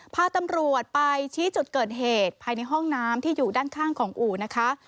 พาตำรวจไปชี้จุดเกิดเหตุภายในห้องน้ำที่อยู่ด้านข้างของอู่นะคะ